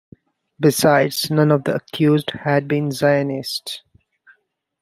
Besides, none of the accused had been Zionists.